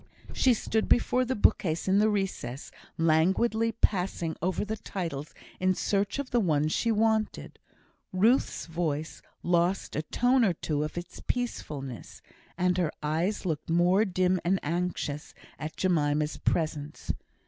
She stood before the bookcase in the recess, languidly passing over the titles in search of the one she wanted. Ruth's voice lost a tone or two of its peacefulness, and her eyes looked more dim and anxious at Jemima's presence.